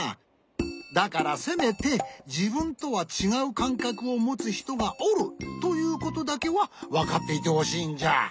だからせめてじぶんとはちがうかんかくをもつひとがおるということだけはわかっていてほしいんじゃ。